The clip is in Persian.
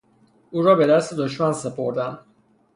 اورابدست دشمن سپردند